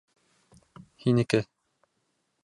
Һинеке.